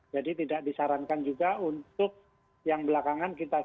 jadi tidak disarankan juga untuk yang belakangan kita lihat